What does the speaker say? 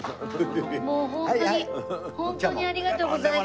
もうホントにホントにありがとうございます。